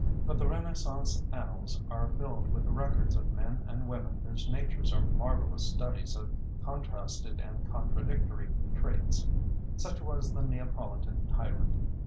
But the Renaissance annals are filled with the records of men and women whose natures are marvellous studies of contrasted and contradictory traits. Such was the Neapolitan tyrant.